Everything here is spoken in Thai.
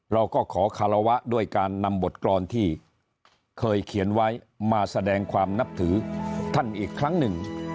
เราก็ขอคารวะด้วยการนำบทกรอนที่เคยเขียนไว้มาแสดงความนับถือท่านอีกครั้งหนึ่ง